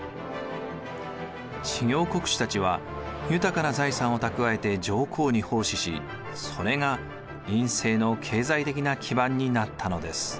知行国主たちは豊かな財産を蓄えて上皇に奉仕しそれが院政の経済的な基盤になったのです。